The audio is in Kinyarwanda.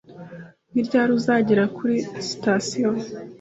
Ni ryari uzagera kuri sitasiyo?